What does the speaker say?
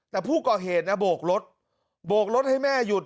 แต่ผู้ก่อเหตุนะโบกรถโบกรถให้แม่หยุด